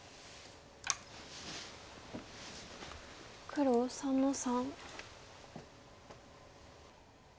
黒３の三。